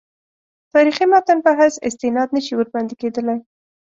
تاریخي متن په حیث استناد نه شي ورباندې کېدلای.